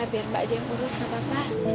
biar mbak aja yang urus nggak apa apa